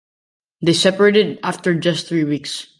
They separated after just three weeks.